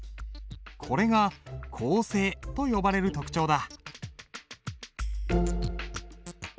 これが向勢と呼ばれる特徴だ。